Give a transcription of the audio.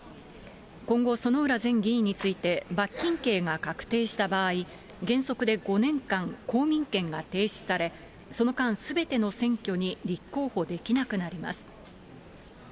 今後、薗浦前議員について、罰金刑が確定した場合、原則で５年間、公民権が停止され、その間、すべての選挙に立候補できなくなります。